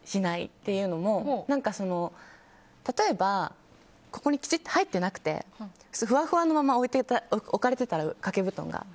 っていうのも例えば、きちっと入ってなくてふわふわのまま置かれてたら掛け布団が。